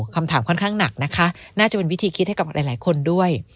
คำถามค่อนข้างหนักนะคะน่าจะเป็นวิธีคิดให้กับหลายคนด้วย